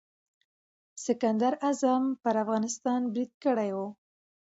سکندر اعظم پر افغانستان برید کړی و.